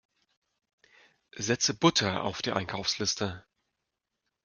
Setze Butter auf die Einkaufsliste!